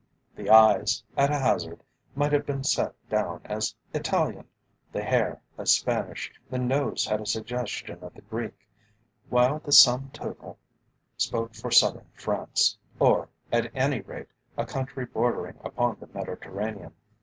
The eyes, at a hazard, might have been set down as Italian, the hair as Spanish, the nose had a suggestion of the Greek, while the sum total spoke for Southern France, or, at any rate a country bordering upon the Mediterranean.